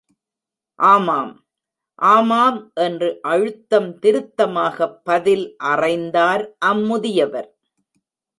ஆமாம். ஆமாம் என்று அழுத்தம் திருத்தமாகப் பதில் அறைந்தார் அம்முதியவர்.